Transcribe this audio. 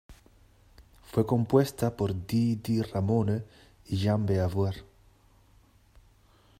Fue compuesta por Dee Dee Ramone y Jean Beauvoir.